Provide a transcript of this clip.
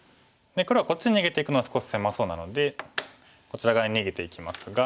黒はこっちに逃げていくのは少し狭そうなのでこちら側に逃げていきますが。